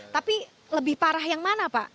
tapi lebih parah yang mana pak